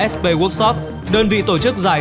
sp workshop đơn vị tổ chức giải